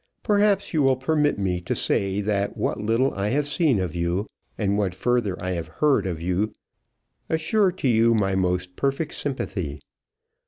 Perhaps you will permit me to say that what little I have seen of you and what further I have heard of you assure to you my most perfect sympathy.